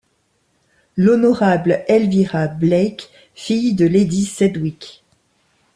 L' honorable Elvira Blake, fille de Lady Sedwick.